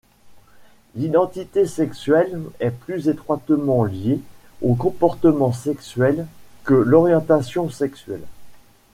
L'identité sexuelle est plus étroitement liée au comportement sexuel que l'orientation sexuelle.